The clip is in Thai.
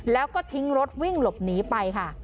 แล้วก็ทิ้งรถวิ่งหลบหนีไปค่ะ